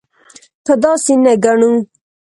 که داسې نه ګڼو.